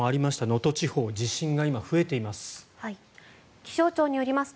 能登地方地震が今、増えています。